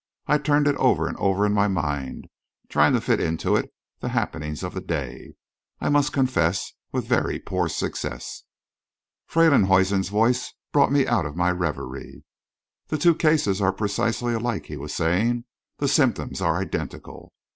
I turned it over and over in my mind, trying to fit into it the happenings of the day I must confess with very poor success. Freylinghuisen's voice brought me out of my reverie. "The two cases are precisely alike," he was saying. "The symptoms are identical.